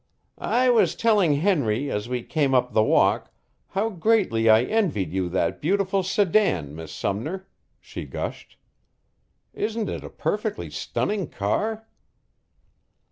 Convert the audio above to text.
"I was telling Henry as we came up the walk how greatly I envied you that beautiful sedan, Miss Sumner," she gushed. "Isn't it a perfectly stunning car?"